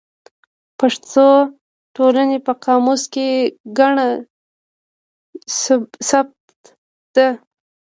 د پښتو ټولنې په قاموس کې نګه ثبت ده.